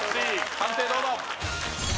判定どうぞ！